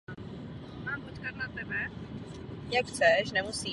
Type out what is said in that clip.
Jako přírodní památky lze zmínit památkově chráněné lípy.